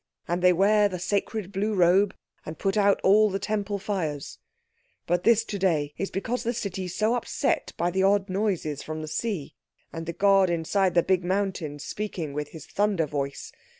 And they wear the sacred blue robe, and put out all the Temple fires. But this today is because the City's so upset by the odd noises from the sea, and the god inside the big mountain speaking with his thunder voice.